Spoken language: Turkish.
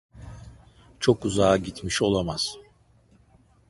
Çok uzağa gitmiş olamaz.